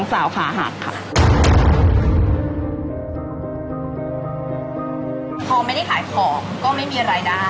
พอไม่ได้ขายของก็ไม่มีอะไรด้าย